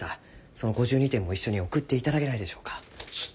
その５２点も一緒に送っていただけないでしょうか？